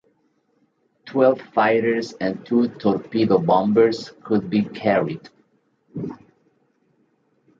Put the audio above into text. Twelve fighters and two torpedo bombers could be carried.